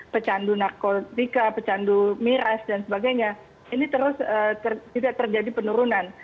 pecandu narkotika pecandu miras dan sebagainya ini terus juga terjadi penurunan